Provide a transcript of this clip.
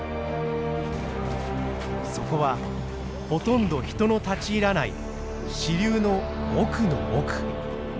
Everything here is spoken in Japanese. そこはほとんど人の立ち入らない支流の奥の奥。